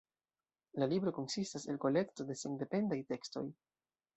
La libro konsistas el kolekto de sendependaj tekstoj.